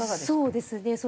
そうですね。